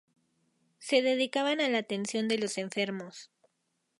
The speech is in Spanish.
Se dedicaban a la atención de los enfermos.